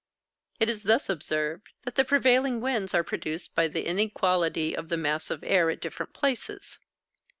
It is thus observed that the prevailing winds are produced by the inequality of the mass of air at different places.